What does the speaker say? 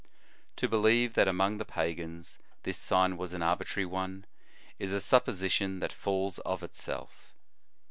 To believe that among the pagans this sign was an arbitrary one, is a supposition that falls of itself.